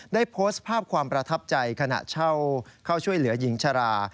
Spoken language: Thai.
ได้โพสต์ภาพความประทับใจขณะเช่าเข้าช่วยเหลือหญิงชรา